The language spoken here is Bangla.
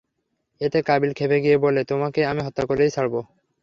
এতে কাবীল ক্ষেপে গিয়ে বলল, তোমাকে আমি হত্যা করেই ছাড়ব।